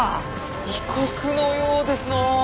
異国のようですのう！